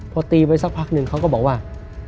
พอตีไปสักพักหนึ่งเขาก็บอกว่า